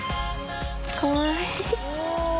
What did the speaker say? かわいい。